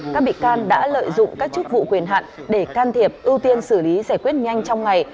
các bị can đã lợi dụng các chức vụ quyền hạn để can thiệp ưu tiên xử lý giải quyết nhanh trong ngày